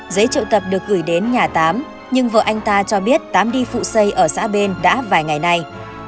giấy triệu tập được gửi đến nhà tám nhưng vợ anh ta cho biết tám đi phụ xây ở xã bên đã vài ngày nay